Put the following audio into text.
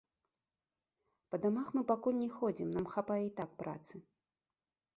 Па дамах мы пакуль не ходзім, нам хапае і так працы.